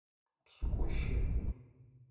Пшӏыкӏущы.